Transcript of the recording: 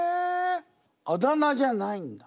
あだ名じゃないんだ。